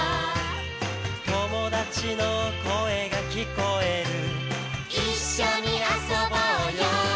「友達の声が聞こえる」「一緒に遊ぼうよ」